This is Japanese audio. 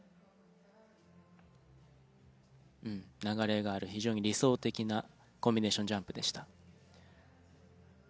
流れがある非常に理想的なコンビネーションジャンプでした。